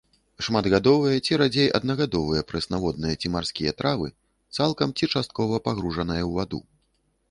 Шматгадовыя ці радзей аднагадовыя прэснаводныя ці марскія травы, цалкам ці часткова пагружаныя ў ваду.